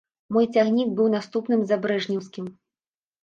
Мой цягнік быў наступным за брэжнеўскім.